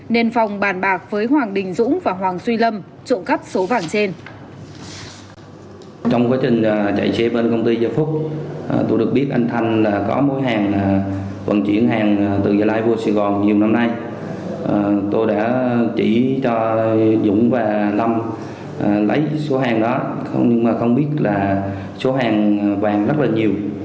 nên phòng bàn bạc với hoàng đình dũng và hoàng duy lâm trộm cắp số vàng trên